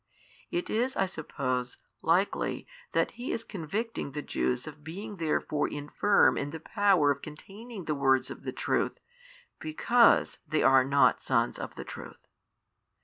It is (I suppose) likely that He is convicting the Jews of being therefore infirm in the power of containing the words of the truth, because they are not sons of the truth.